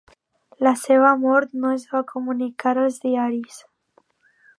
La seva mort no es va comunicar als diaris.